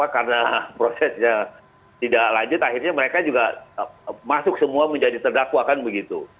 karena prosesnya tidak lanjut akhirnya mereka juga masuk semua menjadi terdakwa kan begitu